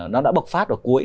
nó đã bộc phát vào cuối